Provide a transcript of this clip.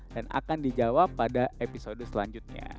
dan akan dijawab pada episode selanjutnya